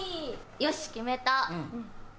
よし決めた。